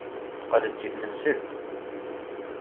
Teqqel-d seg tnemselt.